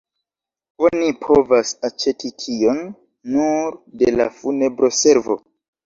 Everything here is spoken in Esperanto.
Oni povas aĉeti tion nur de la funebroservo.